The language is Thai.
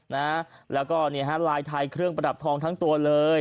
นะฮะแล้วก็เนี่ยฮะลายไทยเครื่องประดับทองทั้งตัวเลย